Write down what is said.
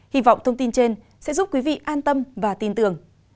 hy vọng thông tin trên sẽ giúp quý vị an tâm và tin tưởng